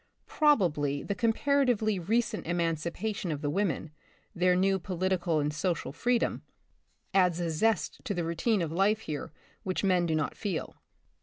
Probably The Republic of the Future. 59 the comparatively recent emancipation of the women, their new political and social freedom, adds a zest to the routine of life here which men do not feel.